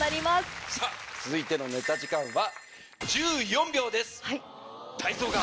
続いてのネタ時間は。